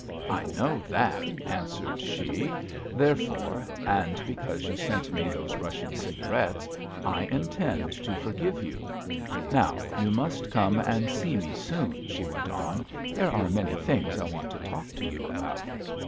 "I know that," answered she; "therefore, and because you sent me those Russian cigarettes, I intend to forgive you! Now, you must come and see me soon," she went on, "there are many things I want to talk to you about."